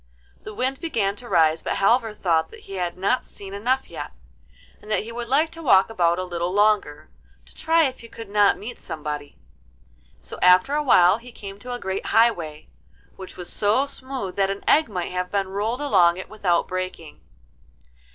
The wind began to rise, but Halvor thought that he had not seen enough yet, and that he would like to walk about a little longer, to try if he could not meet somebody. So after a while he came to a great highway, which was so smooth that an egg might have been rolled along it without breaking.